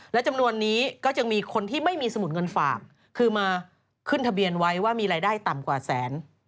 และจำนวนนี้ก็จะมีคนที่ไม่มีสมุดเงินฝากคือมาขึ้นทะเบียนไว้ว่ามีรายได้ต่ำกว่าแสน